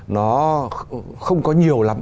nó không có nhiều lắm